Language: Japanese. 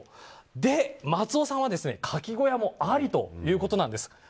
で、松尾さんは、かき小屋もありということなんです。